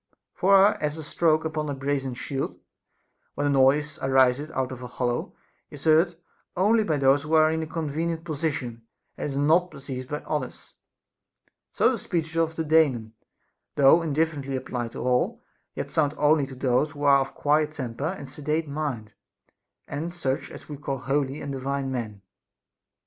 For as a stroke upon a brazen shield, when the noise ariseth out of a hollow, is heard only by those who are in a convenient position, and is not perceived by others ; so the speeches of the Daemon, though indifferently applied to all, yet sound only to those who are of a qniet temper and sedate mind, and such as we call holy and divine men.